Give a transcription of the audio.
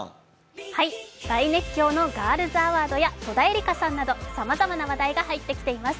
大熱狂のＧｉｒｌｓＡｗａｒｄや戸田恵梨香さんなど、さまざまな話題が入ってきています。